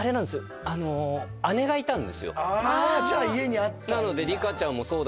じゃあ家にあったんだ。